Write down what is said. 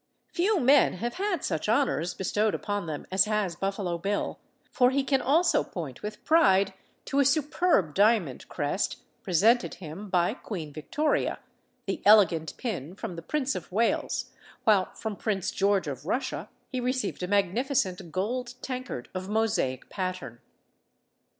Few men have had such honors bestowed upon them as has Buffalo Bill, for he can also point with pride to a superb diamond crest presented him by Queen Victoria, the elegant pin from the Prince of Wales, while from Prince George of Russia he received a magnificent gold tankard of mosaic pattern.